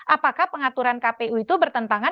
apakah pengaturan kpu itu bertentangan